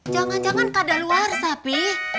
jangan jangan pada luar sapi